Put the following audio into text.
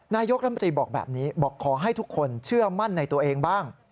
นายกรัฐมนตรีบอกแบบนี้บอกขอให้ทุกคนเชื่อมั่นในตัวเองบ้าง